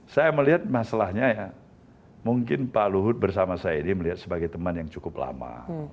saya melihat masalahnya ya mungkin pak luhut bersama saya ini melihat sebagai teman yang cukup lama